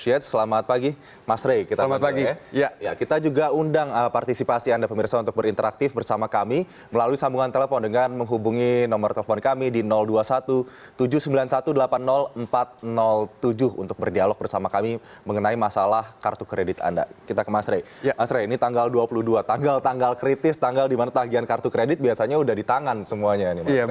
asrey ini tanggal dua puluh dua tanggal tanggal kritis tanggal di mana tagian kartu kredit biasanya sudah di tangan semuanya